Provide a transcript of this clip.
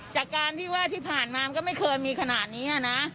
จากการว่าที่ผ่านมาก็ไม่เคยมีขนาดนี้อ่านะ